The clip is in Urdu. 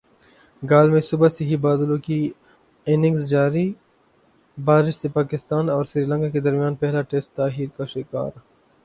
گال میں صبح سے ہی بادلوں کی اننگز جاری بارش سے پاکستان اور سری لنکا کے درمیان پہلا ٹیسٹ تاخیر کا شکار